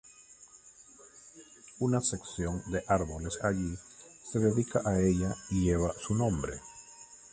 Una sección de árboles allí se dedica a ella y lleva su nombre.